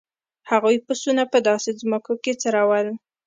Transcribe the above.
هغوی پسونه په داسې ځمکو کې څرول.